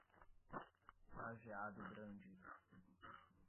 Lajeado Grande